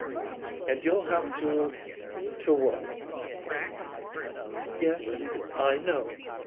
"And you'll have to to work." "Yes, I know."